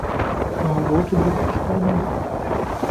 كارول تدرس الإسبانية.